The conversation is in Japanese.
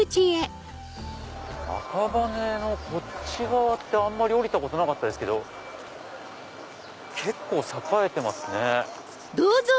赤羽のこっち側ってあんまり降りたことなかったですけど結構栄えてますね。